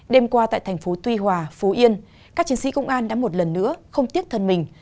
đêm qua tại thành phố tuy hòa phú yên các chiến sĩ công an đã một lần nữa không tiếc thân mình